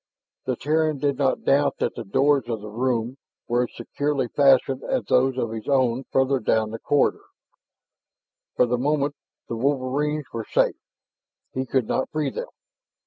The Terran did not doubt that the doors of the room were as securely fastened as those of his own further down the corridor. For the moment the wolverines were safe; he could not free them.